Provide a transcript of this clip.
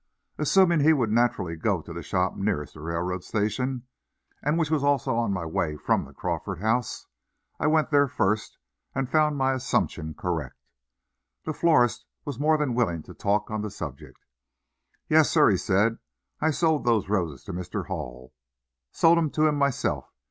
Assuming he would naturally go to the shop nearest the railroad station, and which was also on the way from the Crawford house, I went there first, and found my assumption correct. The florist was more than willing to talk on the subject. "Yes, sir," he said; "I sold those roses to Mr. Hall sold 'em to him myself.